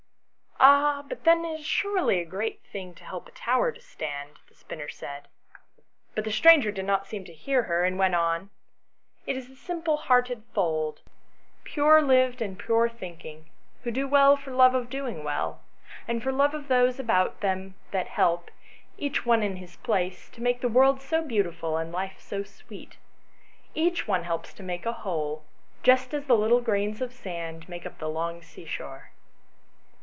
" Ah ! but then it is surely a great thing to help a tower to stand," the spinner said. But the stranger did not seem to hear her, and went on "It is the simple hearted folk, pure lived and pure thinking, who do well for love of doing well, and for love of those about them that help, each one in his place, to make the world so beautiful and life so sweet. Each one helps to make a whole, just as the little grains of sand make up the long sea shore."